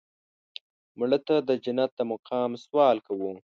مړه ته د جنت د مقام سوال کوو